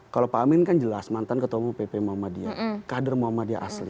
kalau pak amin kan jelas mantan ketua umum pp muhammadiyah kader muhammadiyah asli